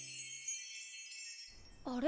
あれ？